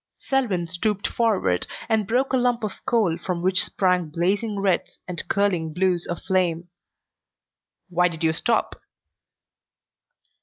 Selwyn stooped forward and broke a lump of coal from which sprang blazing reds and curling blues of flame. "Why did you stop?"